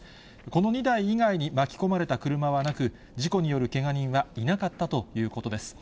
この２台以外に巻き込まれた車はなく、事故によるけが人はいなかったということです。